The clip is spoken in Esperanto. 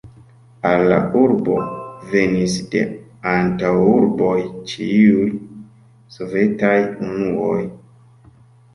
Al la urbo venis de antaŭurboj ĉiuj sovetaj unuoj.